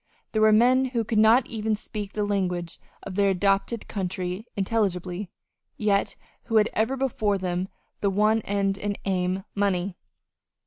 There were men who could not even speak the language of their adopted country intelligibly, yet who had ever before them the one end and aim money.